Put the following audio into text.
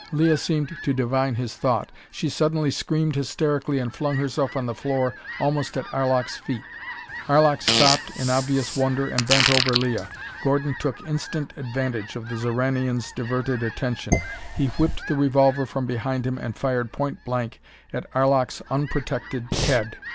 Leah seemed to divine his thought. She suddenly screamed hysterically and flung herself on the floor almost at Arlok's feet. Arlok stopped in obvious wonder and bent over Leah. Gordon took instant advantage of the Xoranian's diverted attention. He whipped the revolver from behind him and fired point blank at Arlok's unprotected head.